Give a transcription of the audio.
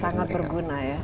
sangat berguna ya